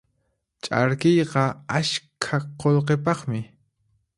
Ch'arkiyqa askha qullqipaqmi.